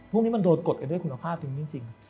พวกนี้มันโดนกดกันด้วยคุณภาพตรงนี้จริง